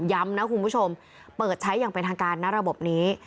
ย้ำนะคุณผู้ชมเปิดใช้อย่างเป็นทางการณระบบนี้